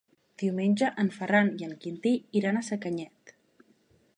Diumenge en Ferran i en Quintí iran a Sacanyet.